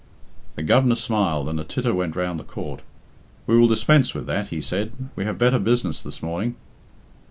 The Governor smiled, and a titter went round the court. "We will dispense with that," he said. "We have better business this morning."